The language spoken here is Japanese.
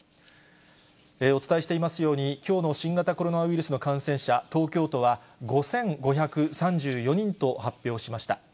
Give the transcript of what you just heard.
お伝えしていますように、きょうの新型コロナウイルスの感染者、東京都は５５３４人と発表しました。